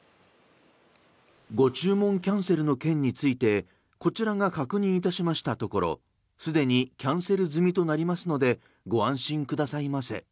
ご注文キャンセルの件についてこちらが確認いたしましたところすでにキャンセル済みとなりますのでご安心くださいませ。